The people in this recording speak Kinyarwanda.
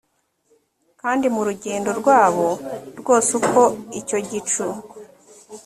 kandi mu rugendo rwabo rwose uko icyo gicu